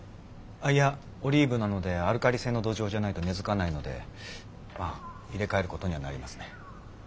いやオリーブなのでアルカリ性の土壌じゃないと根づかないのでまあ入れ替えることにはなりますね。